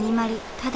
ただ